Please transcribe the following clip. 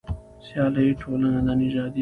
سیالي ټولنه د نژادي توپیرونو مقاومت وښود.